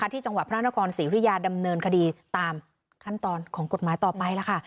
ที่จังหวัดพระนครศรีอุยาดำเนินคดีตามขั้นตอนของกฎหมายต่อไปแล้วค่ะ